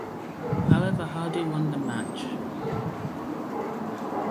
However, Hardy won the match.